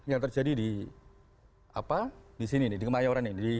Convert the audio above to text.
yang terjadi di sini nih di kemayoran ini